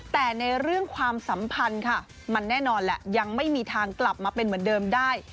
แต่ในเรื่องความสัมพันธ์ค่ะมันแน่นอนแหละยังไม่มีทางกลับมาเป็นเหมือนเดิมได้